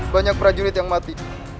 banyak prajurit yang mati